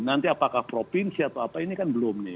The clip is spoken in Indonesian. nanti apakah provinsi atau apa ini kan belum nih